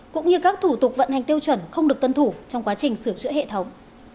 cũng như các thủ tục vận hành tiêu chuẩn không được tân thủ trong quá trình sửa chữa hệ thống